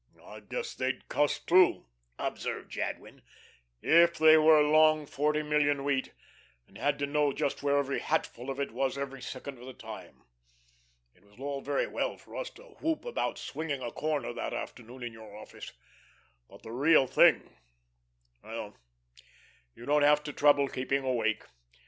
"I guess they'd cuss, too," observed Jadwin, "if they were long forty million wheat, and had to know just where every hatful of it was every second of the time. It was all very well for us to whoop about swinging a corner that afternoon in your office. But the real thing well, you don't have any trouble keeping awake.